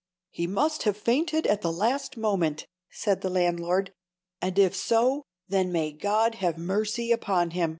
"He must have fainted at the last moment," said the landlord; "and if so, then may God have mercy upon him!